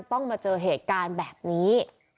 ต้องมาเจอเหตุการณ์แบบนี้